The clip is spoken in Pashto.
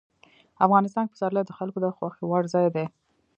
افغانستان کې پسرلی د خلکو د خوښې وړ ځای دی.